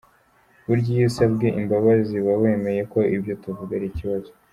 Burya iyo usabye imbabazi, uba wemeye ko ibyo tuvuga ari ikibazo.